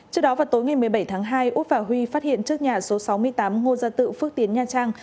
trước đó vào tối ngày một mươi bảy tháng hai út và huy phát hiện trước nhà số sáu mươi tám ngô gia tự phước tiến nha trang